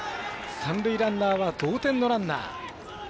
三塁ランナーは同点のランナー。